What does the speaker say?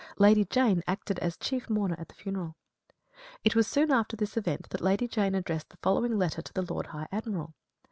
Lady Jane acted as chief mourner at the funeral. It was soon after this event that Lady Jane addressed the following letter to the Lord High Admiral.